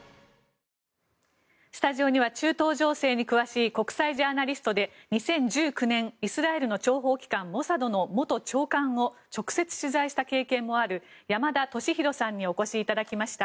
スタジオには中東情勢に詳しい国際ジャーナリストで２０１９年、イスラエルの諜報機関モサドの元長官を直接取材した経験もある山田敏弘さんにお越しいただきました。